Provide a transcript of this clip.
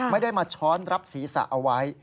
ไม่ได้มาช้อนรับศีรษะเอาไว้